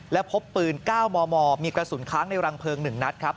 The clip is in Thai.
และพบปืน๙มมมีกระสุนค้างในรังเพลิง๑นัดครับ